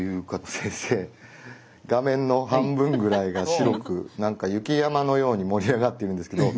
先生画面の半分ぐらいが白く何か雪山のように盛り上がっているんですけど。